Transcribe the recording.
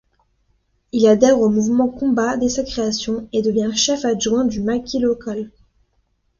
Il adhère au mouvement Combat dès sa création, et devient chef-adjoint du maquis local.